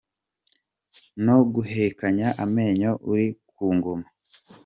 No guhekenya amenyo uri ku ngoma !